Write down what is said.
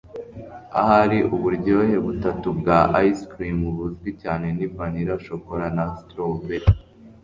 Ahari uburyohe butatu bwa ice cream buzwi cyane ni vanilla shokora na strawberry